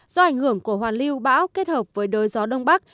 do ảnh hưởng của hoàn lưu bão kết hợp với đới gió đông bắc